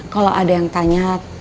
kalau ada yang tanya